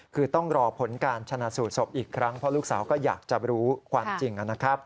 คือต้องรอผลการชนะสูตรศพอีกครั้งเพราะลูกสาวก็อยากจะรู้ความจริงนะครับ